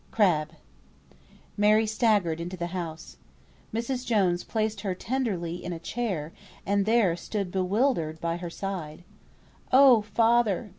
CRABBE. Mary staggered into the house. Mrs. Jones placed her tenderly in a chair, and there stood bewildered by her side. "Oh, father!